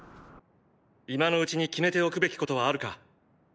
今のうちに決めておくべきことはあるか？